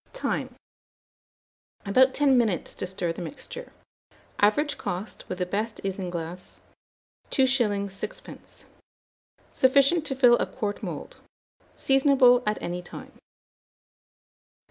Time. About 10 minutes to stir the mixture. Average cost, with the best isinglass, 2s. 6d. Sufficient to fill a quart mould. Seasonable at any time.